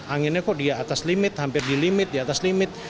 anginnya kok di atas limit hampir di limit di atas limit